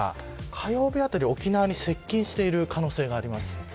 火曜日あたりに沖縄に接近している可能性があります。